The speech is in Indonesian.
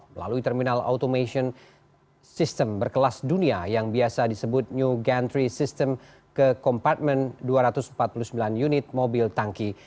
melalui terminal automation sistem berkelas dunia yang biasa disebut new guntry system ke kompartmen dua ratus empat puluh sembilan unit mobil tangki